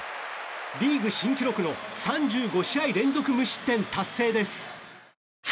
リーグ新記録の３５試合連続無失点達成です。